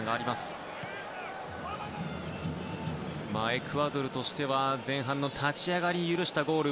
エクアドルとしては前半の立ち上がりに許したゴール。